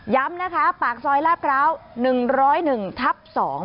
ย้ำนะคะปากซอยลาบกราว๑๐๑ทับ๒